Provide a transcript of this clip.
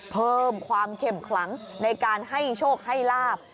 เพิ่มความเข้มขลังในการให้โชคให้ลาบ